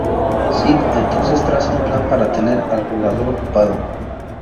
Seth entonces traza un plan para tener al jugador ocupado.